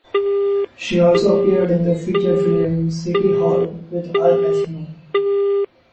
She also appeared in the feature film "City Hall" with Al Pacino.